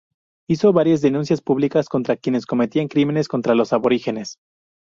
Hizo varias denuncias públicas contra quienes cometían crímenes contra los aborígenes.